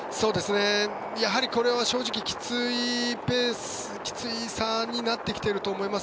やはりこれは正直きついペースきつい差になってきていると思います。